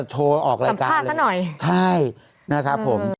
ฮะ